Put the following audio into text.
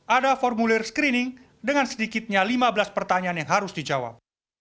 ada formulir screening dengan sedikitnya lima belas pertanyaan yang harus dijawab